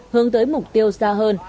hướng tới mục tiêu xa hơn